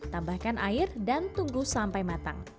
tambahkan air dan tunggu sampai matang